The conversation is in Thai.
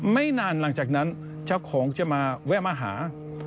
ไม่นานหลังจากนั้นเจ้าของจะมาแวะมาหา